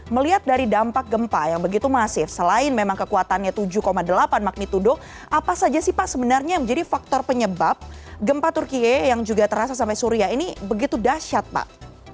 melihat dari dampak gempa yang begitu masif selain memang kekuatannya tujuh delapan magnitudo apa saja sih pak sebenarnya yang menjadi faktor penyebab gempa turkiye yang juga terasa sampai suria ini begitu dahsyat pak